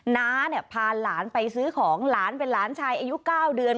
น้าเนี่ยพาหลานไปซื้อของหลานเป็นหลานชายอายุ๙เดือน